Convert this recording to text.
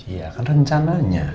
iya kan rencananya